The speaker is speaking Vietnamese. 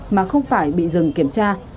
mà không phải bị dừng kiểm tra